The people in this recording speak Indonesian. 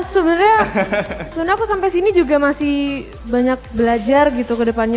sebenarnya aku sampai sini juga masih banyak belajar gitu ke depannya